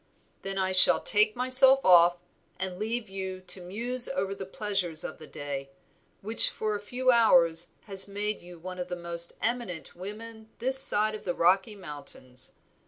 "Then I shall take myself off and leave you to muse over the pleasures of the day, which for a few hours has made you one of the most eminent women this side the Rocky Mountains.